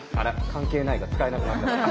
「関係ない」が使えなくなったな。